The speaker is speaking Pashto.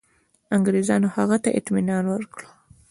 انګرېزانو هغه ته اطمیان ورکړ.